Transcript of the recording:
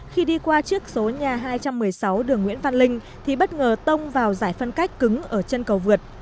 khi đi qua chiếc số nhà hai trăm một mươi sáu đường nguyễn văn linh thì bất ngờ tông vào giải phân cách cứng ở chân cầu vượt